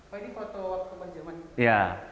pak ini foto waktu zaman perundingannya apa ya